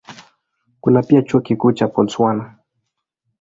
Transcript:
Kuna pia Chuo Kikuu cha Botswana.